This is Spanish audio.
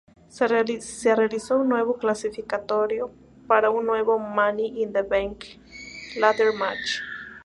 Se realizó un nuevo clasificatorio para un nuevo Money in the Bank Ladder Match.